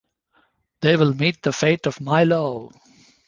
They’ll meet the fate of Milo!